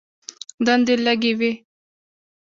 دندې لږې وې.